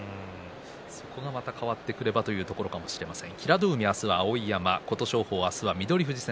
そこがまた変わってくればというところかもしれません。